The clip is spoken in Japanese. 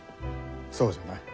そうじゃな。